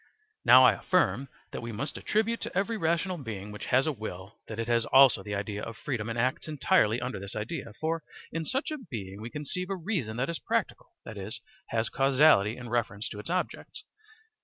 * Now I affirm that we must attribute to every rational being which has a will that it has also the idea of freedom and acts entirely under this idea. For in such a being we conceive a reason that is practical, that is, has causality in reference to its objects.